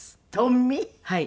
はい。